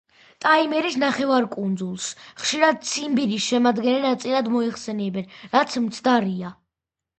ტაიმირის ნახევარკუნძულს, ხშირად ციმბირის შემადგენელ ნაწილად მოიხსენიებენ, რაც მცდარია.